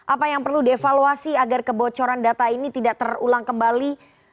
apa yang perlu dievaluasi agar kebocoran data ini tidak terulang kembali